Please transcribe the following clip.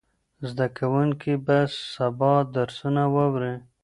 زده کوونکي به سبا درسونه واوري.